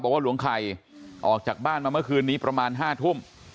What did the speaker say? บอกว่าหลวงไข่ออกจากบ้านมาเมื่อคืนนี้ประมาณ๕ทุ่ม